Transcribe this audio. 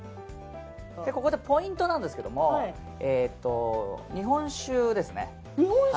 ここでポイントなんですけど日本酒ですね。